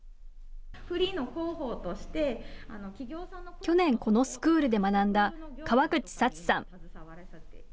去年、このスクールで学んだ川口紗知さん。